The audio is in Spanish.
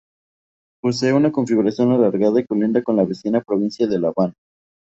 Posee una configuración alargada y colinda con la vecina provincia de La Habana.